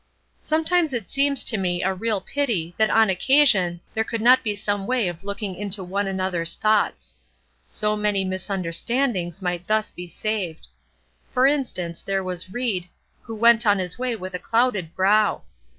Sometimes it seems to me a real pity that on occasion there could not be some way of looking into one another's thoughts. So many misunderstandings might thus be saved. For instance, there was Ried, who went on his way with a clouded brow.